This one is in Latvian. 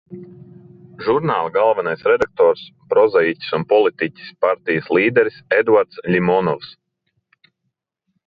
Žurnāla galvenais redaktors – prozaiķis un politiķis, partijas līderis Eduards Ļimonovs.